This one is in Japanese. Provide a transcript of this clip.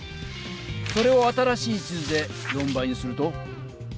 それを新しい地図で４倍にすると？